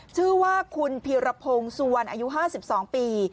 ชื่อว่าคุณพีรพงศ์สุวรรณอายุ๕๒ปี